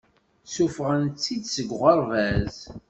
Ssufɣen-tt-id seg uɣerbaz.